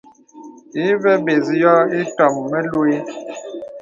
Ìvə bə̀s yɔ̄ɔ̄ ìtàm məluə̀.